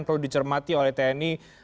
perlu dicermati oleh tni